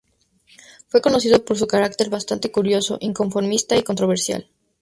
Fue conocido por su carácter bastante curioso, inconformista y controversial.